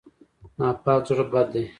ناپاک زړه بد دی.